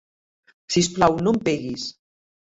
Si us plau, no em peguis.